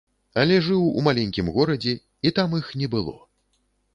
Але жыў у маленькім горадзе, і там іх не было.